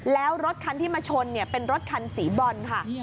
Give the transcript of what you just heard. แล้วรถคันที่มาชนเป็นรถคันสีบรอนค่ะ